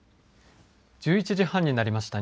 １１時半になりました。